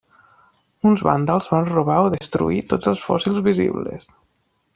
Uns vàndals van robar o destruir tots els fòssils visibles.